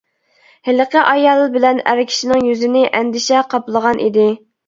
ھېلىقى ئايال بىلەن ئەر كىشىنىڭ يۈزىنى ئەندىشە قاپلىغان ئىدى.